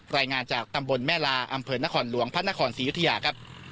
รายงานจากตำบลแม่ลาอำเภอนครหลวงพระนครศรียุธยาครับ